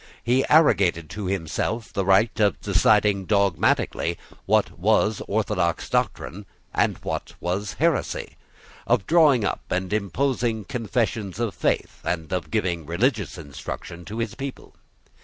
He arrogated to himself the right of deciding dogmatically what was orthodox doctrine and what was heresy, of drawing up and imposing confessions of faith, and of giving religious instruction to his people.